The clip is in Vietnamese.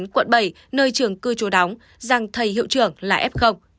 quận bảy nơi trường cư trú đóng rằng thầy hiệu trưởng là f